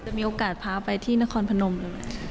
จะมีโอกาสพาไปที่นครพนมหรือไหม